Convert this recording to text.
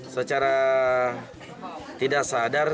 secara tidak sadar